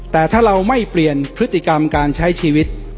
แต่ถ้าเราไม่เปลี่ยนพฤติกรรมการใช้ชีวิต